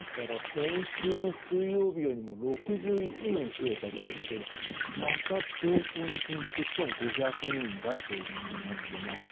先週の水曜日よりも６１人増えたということでまた上昇に転じて、しかも５００人台となっています。